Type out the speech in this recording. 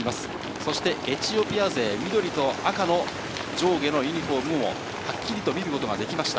そしてエチオピア勢、緑と赤の上下のユニホームもはっきりと見ることができました。